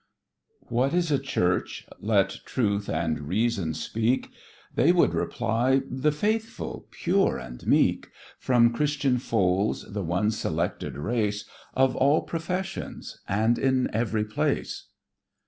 "WHAT is a Church?" Let Truth and Reason speak, They would reply, "The faithful, pure, and meek; From Christian folds, the one selected race, Of all professions, and in every place."